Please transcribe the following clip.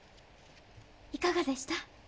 いかがでした？